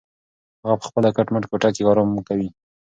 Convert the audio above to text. هغه په خپله کټ مټ کوټه کې ارام کوي.